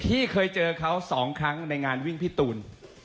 ที่เคยเจอเขา๒ครั้งในงานวิ่งพี่ตูน